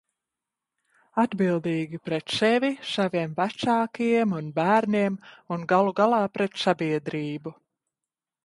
Atbildīgi pret sevi, saviem vecākiem un bērniem, un galu galā pret sabiedrību.